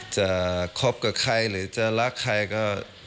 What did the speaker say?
คบกับใครหรือจะรักใครก็